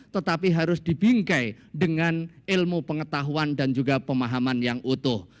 tetapi harus dibingkai dengan ilmu pengetahuan dan juga pemahaman yang utuh